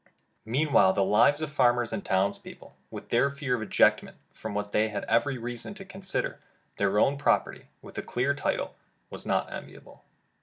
Meanwhile the lives of farmers and town's people, with their fear of ejectment, from what they had every reason to consider their own property with a clear title, was not enviable.